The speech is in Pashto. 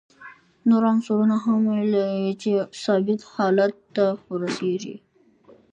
نور عنصرونه هم میل لري چې ثابت حالت ته ورسیږي.